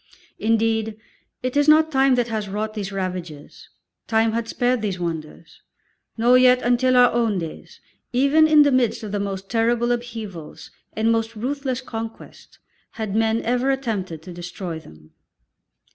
Indeed it is not time that has wrought these ravages time had spared these wonders nor yet until our own days, even in the midst of the most terrible upheavals and most ruthless conquest, had men ever attempted to destroy them.